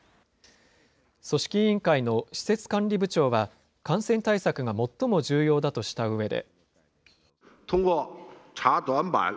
組織委員会の施設管理部長は、感染対策が最も重要だとしたうえで。